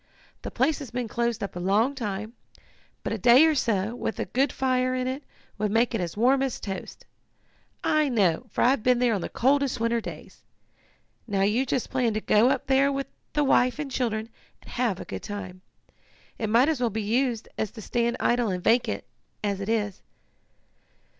The place has been closed up a long time, but a day or so, with a good fire in it, would make it as warm as toast. I know, for I've been there on the coldest winter days. Now you just plan to go up there with the wife and children, and have a good time. It might as well be used as to stand idle and vacant, as it is."